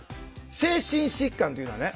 精神疾患というのはね